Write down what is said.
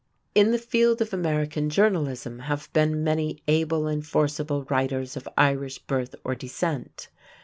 In the field of American journalism have been many able and forcible writers of Irish birth or descent.